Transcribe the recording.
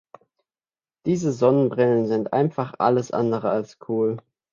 Diese Sonnenbrillen sind einfach alles andere als cool.